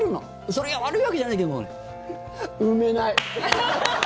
それが悪いわけじゃないけども埋めない！